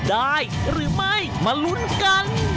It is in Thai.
ได้หรือไม่มาลุ้นกัน